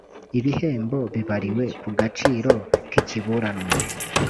ibihembo bibariwe ku gaciro k ikiburanwa